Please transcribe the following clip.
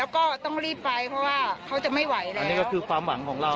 ครับ